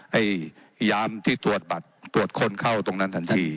ให้ยามที่ตรวจบัตรตรวจคนเข้าตรงนั้นทันที